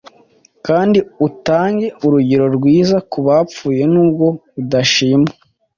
Kandi utange urugero rwiza kubapfuye nubwo udashima